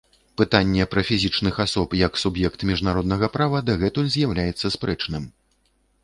Пытанне пра фізічных асоб як суб'ект міжнароднага права дагэтуль з'яўляецца спрэчным.